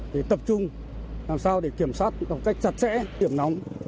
để tập trung làm sao để kiểm soát trong cách chặt chẽ hiểm nóng